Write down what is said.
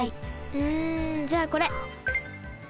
うんじゃあこれ。